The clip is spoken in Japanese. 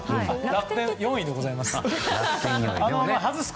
楽天、４位でございます。